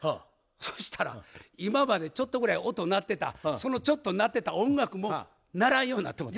そしたら今までちょっとぐらい音鳴ってたそのちょっと鳴ってた音楽も鳴らんようなってもうた。